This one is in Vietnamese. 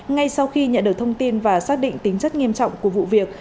ngay sau khi nhận được thông tin và xác định tính chất nghiêm trọng của vụ việc